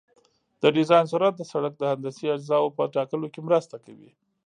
د ډیزاین سرعت د سرک د هندسي اجزاوو په ټاکلو کې مرسته کوي